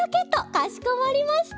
かしこまりました。